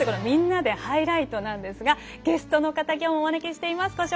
「みんなでハイライト」ですがゲストの方きょうもお招きしています。